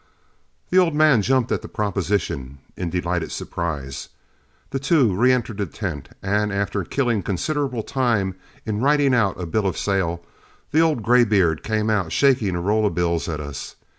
The old man jumped at the proposition in delighted surprise; the two reëntered the tent, and after killing considerable time in writing out a bill of sale, the old graybeard came out shaking a roll of bills at us.